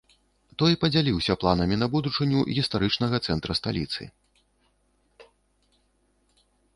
Той падзяліўся планамі на будучыню гістарычнага цэнтра сталіцы.